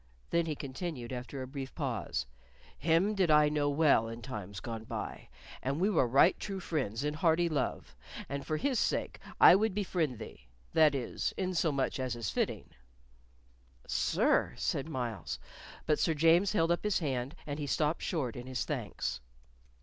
Then he continued, after a brief pause. "Him did I know well in times gone by, and we were right true friends in hearty love, and for his sake I would befriend thee that is, in so much as is fitting." "Sir," said Myles; but Sir James held up his hand, and he stopped short in his thanks.